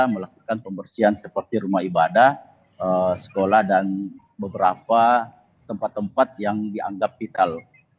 melakukan pembersihan seperti rumah ibadah sekolah dan beberapa tempat tempat yang dianggap vital